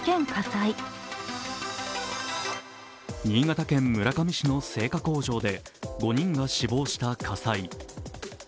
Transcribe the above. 新潟県村上市の製菓工場で５人が死亡した火災。